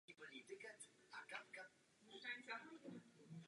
Pavel Maria Čáp.